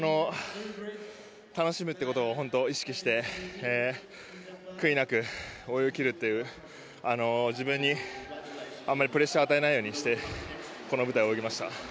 楽しむということを本当に意識して悔いなく泳ぎ切るという自分にあまりプレッシャーを与えないようにしてこの舞台を泳ぎました。